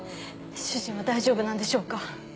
主人は大丈夫なんでしょうか？